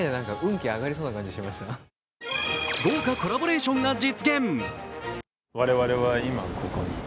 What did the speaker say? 豪華コラボレーションが実現。